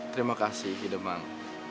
terima kasih hidemang